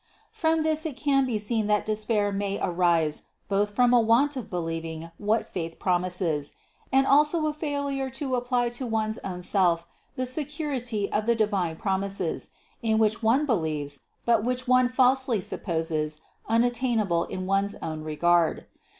507. From this it can be seen that despair may arise both from a want of believing what faith promises and also from a failure to apply to one's own self the se curity of the divine promises, in which one believes, but which one falsely supposes unattainable in one's own re gard.